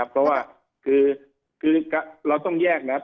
เพราะว่าคือเราต้องแยกนะครับ